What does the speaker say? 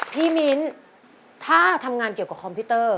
มิ้นถ้าทำงานเกี่ยวกับคอมพิวเตอร์